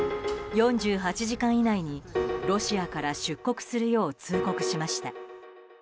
４８時間以内にロシアから出国するよう通告しました。